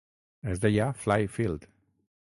Es deia "Fly Field".